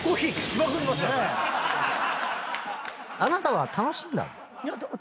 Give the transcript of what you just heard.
あなたは楽しんだの？